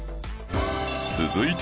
続いても